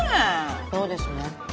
そうですね。